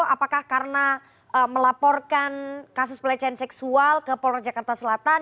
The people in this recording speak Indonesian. apakah karena melaporkan kasus pelecehan seksual ke polres jakarta selatan